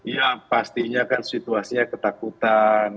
ya pastinya kan situasinya ketakutan